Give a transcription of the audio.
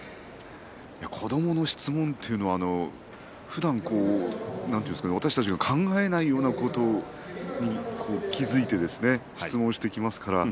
子どもの質問というのはふだん私たちが考えないようなことを気付いて質問をしてきます。